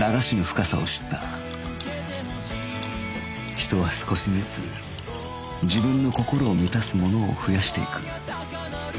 人は少しずつ自分の心を満たすものを増やしていく